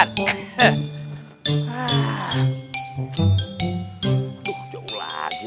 aduh jauh lagi